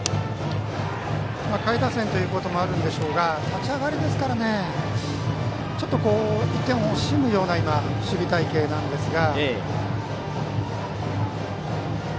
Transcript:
下位打線ということもあるんでしょうが立ち上がりですからちょっと１点惜しむような守備隊形なんですが。